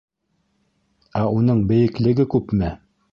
Ә уның бейеклеге күпме?